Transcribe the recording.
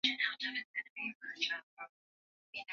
Mkakati waliopanga unasaidia watu wote